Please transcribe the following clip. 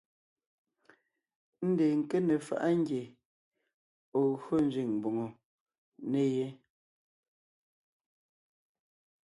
Ndeen nke ne faʼa ngie ɔ̀ gyo nzẅìŋ mbòŋo ne yé.